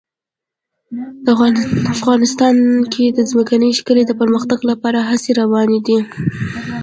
افغانستان کې د ځمکني شکل د پرمختګ لپاره هڅې روانې دي.